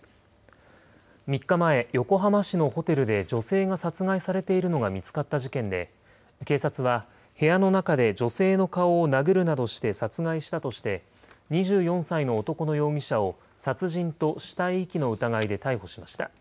３日前、横浜市のホテルで女性が殺害されているのが見つかった事件で、警察は、部屋の中で女性の顔を殴るなどして殺害したとして、２４歳の男の容疑者を殺人と死体遺棄の疑いで逮捕しました。